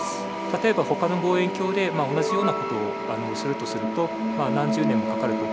例えばほかの望遠鏡で同じような事をするとすると何十年もかかると。